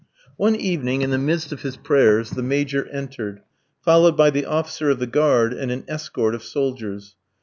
One evening, in the midst of his prayers, the Major entered, followed by the officer of the guard and an escort of soldiers.